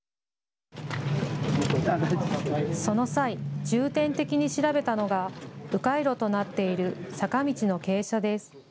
その際、重点的に調べたのがう回路となっている坂道の傾斜です。